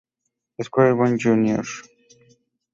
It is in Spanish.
Squire Boone Jr.